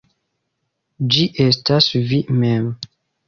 Ĝi estas vi mem.